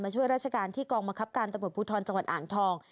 มาช่วยราชการที่กองมะครับการตำรวจพูดทอนจังหวัดอ่านทอง